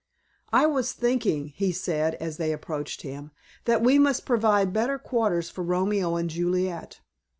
"I was thinking," he said as they approached him, "that we must provide better quarters for Romeo and Juliet.